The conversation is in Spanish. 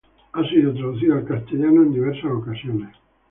Ha sido traducida al español en diversas ocasiones.